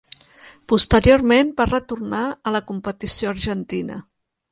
Posteriorment, va retornar a la competició argentina.